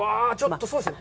そうですね。